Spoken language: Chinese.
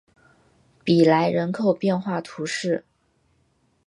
比莱人口变化图示